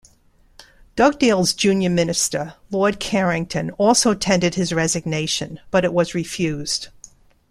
Dugdale's junior minister, Lord Carrington, also tendered his resignation, but it was refused.